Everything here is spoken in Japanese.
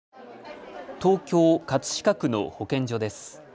東京葛飾区の保健所です。